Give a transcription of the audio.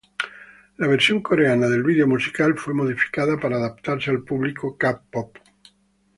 La versión coreana del video musical fue modificada para adaptarse al público k-pop.